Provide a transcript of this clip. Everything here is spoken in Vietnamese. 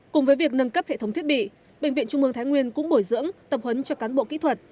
cùng với việc nâng cấp hệ thống thiết bị bệnh viện trung mương thái nguyên cũng bồi dưỡng tập huấn cho cán bộ kỹ thuật